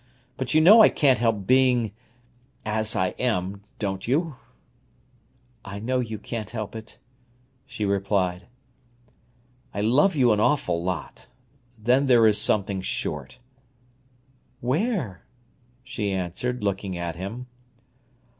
But you know I can't help being—as I am—don't you?" "I know you can't help it," she replied. "I love you an awful lot—then there is something short." "Where?" she answered, looking at him.